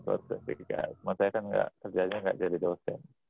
tapi kan maksudnya kan kerjaannya gak jadi dosen